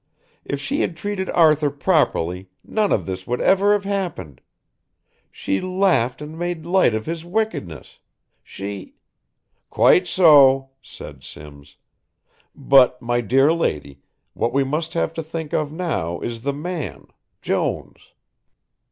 If she had treated Arthur properly none of this would ever have happened. She laughed and made light of his wickedness, she " "Quite so," said Simms, "but, my dear lady, what we have to think of now is the man, Jones.